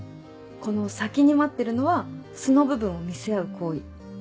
この先に待ってるのは素の部分を見せ合う行為。